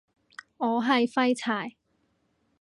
我係廢柴